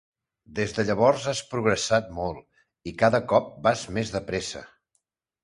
Des de llavors has progressat molt i cada cop vas més de pressa.